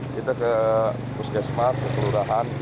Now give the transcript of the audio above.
kita ke puskesmas ke kelurahan